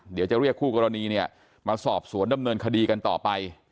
เดี๋ยวจะเรียกคู่กรณีเนี่ยมาสอบสวนดำเนินคดีกันต่อไป